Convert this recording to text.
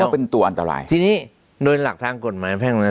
รู้ว่าเป็นตัวอันตรายทีนี้โดยหลักทางกฎหมายแพงละ